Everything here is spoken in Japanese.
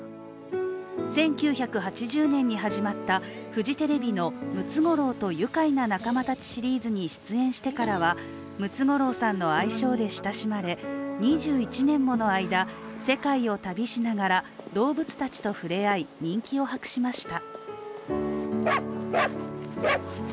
１９８０年に始まったフジテレビの「ムツゴロウとゆかいな仲間たち」シリーズに出演してからは、ムツゴロウさんの愛称で親しまれ２１年もの間世界を旅しながら、動物たちと触れ合い人気を博しました。